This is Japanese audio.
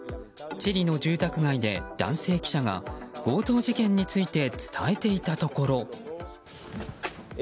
チリの住宅街で、男性記者が強盗事件について伝えていたところ。